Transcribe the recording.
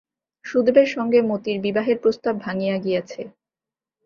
সুদেবের সঙ্গে মতির বিবাহের প্রস্তাব ভাঙিয়া গিয়াছে।